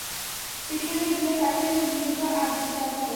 সেখানে গিয়ে তাকে মৃত আবিষ্কার করো।